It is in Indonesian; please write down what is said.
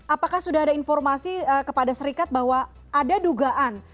apakah sudah ada informasi kepada serikat bahwa ada dugaan